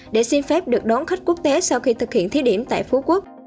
để xin phép được đón khách quốc tế sau khi thực hiện thí điểm tại phú quốc